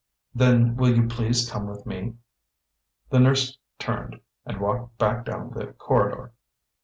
"Then will you please come with me?" The nurse turned and walked back down the corridor.